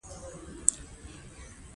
نمک د افغان تاریخ په کتابونو کې ذکر شوی دي.